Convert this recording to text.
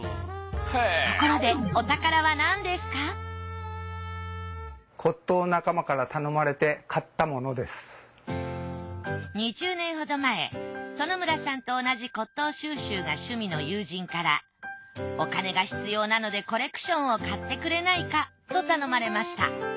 ところで２０年ほど前殿村さんと同じ骨董収集が趣味の友人からお金が必要なのでコレクションを買ってくれないかと頼まれました。